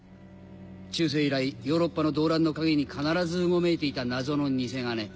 中世以来ヨーロッパの動乱の陰に必ずうごめいていた謎の偽金。